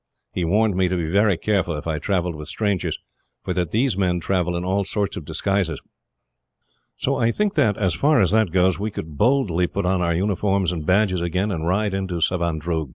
He warned me to be very careful, if I travelled with strangers, for that these men travel in all sorts of disguises. "So I think that, as far as that goes, we could boldly put on our uniforms and badges again, and ride into Savandroog.